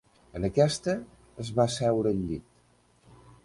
En aquesta, es va asseure al llit.